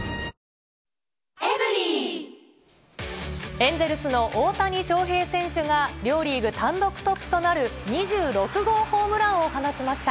エンゼルスの大谷翔平選手が両リーグ単独トップとなる２６号ホームランを放ちました。